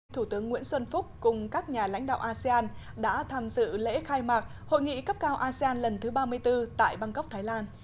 thủ tướng nguyễn xuân phúc cùng các nhà lãnh đạo asean đã tham dự lễ khai mạc hội nghị cấp cao asean lần thứ ba mươi bốn tại bangkok thái lan